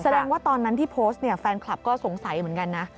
แสดงว่าตอนนั้นที่โพสต์เนี่ยแฟนคลับก็สงสัยเหมือนกันนะ